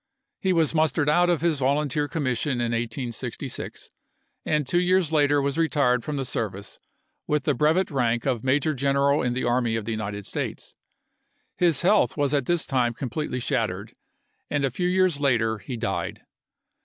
He was mustered out of his volunteer commission in 1866, and two years later was retired from the service with the brevet rank of Major General in the Army of the United States. His health was at this time completely shattered, and a few years later he died.